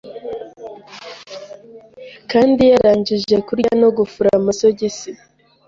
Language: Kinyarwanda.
kandi yarangije kurya no gufura amasogisi